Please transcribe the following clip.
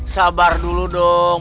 sabar dulu dong